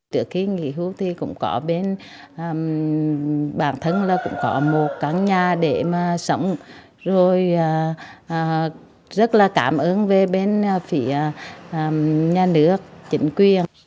trước khi nghỉ hưu thì cũng có bên bản thân là cũng có một căn nhà để mà sống rồi rất là cảm ơn về bên phía nhà nước chính quyền